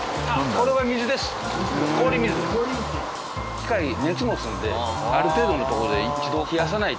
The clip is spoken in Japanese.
機械熱を持つのである程度のところで一度冷やさないと。